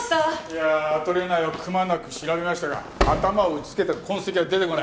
いやあアトリエ内をくまなく調べましたが頭を打ちつけた痕跡が出てこない。